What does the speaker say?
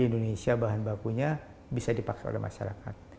di indonesia bahan bakunya bisa dipaksa oleh masyarakat